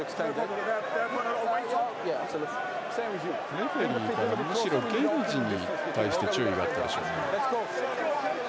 レフリーからゲンジに対して注意があったでしょうか。